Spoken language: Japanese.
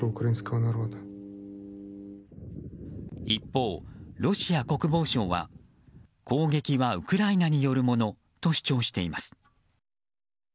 一方、ロシア国防省は攻撃はウクライナによるものと主張しています。